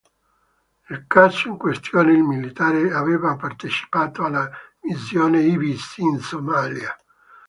Nel caso in questione il militare aveva partecipato alla missione Ibis in Somalia.